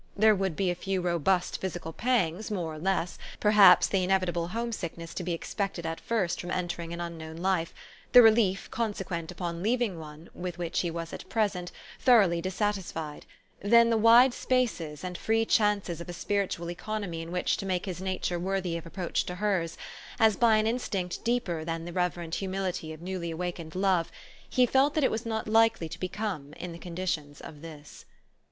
There would be a few robust physical pangs, more or less, perhaps the inevitable homesickness to be expected at first from entering an unknown life, the relief consequent upon leaving one with which he was at present thor 166 'THE STORY OF AVIS. oughly dissatisfied, then the wide spaces and free chances of a spiritual economy in which to make his nature worthy of approach to hers, as, by an in stinct deeper than the reverent humility of newly awakened love, he felt that it was not likely to be come, in the conditions of this.